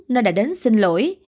nên đã đến xin lỗi